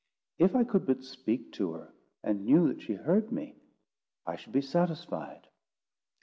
If I could but speak to her, and knew that she heard me, I should be satisfied."